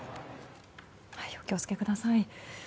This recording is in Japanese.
お気を付けください。